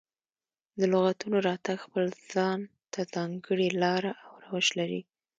د لغتونو راتګ خپل ځان ته ځانګړې لاره او روش لري.